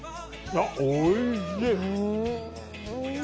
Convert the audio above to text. おいしい！